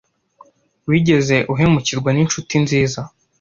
Wigeze uhemukirwa n'inshuti nziza?